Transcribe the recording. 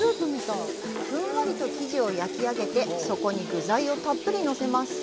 ふんわりと生地を焼き上げてそこに具材をたっぷりのせます。